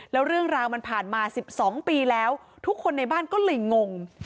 แล้วเรื่องราวมันผ่านมา๑๒ปีแล้วทุกคนในบ้านก็เลยงง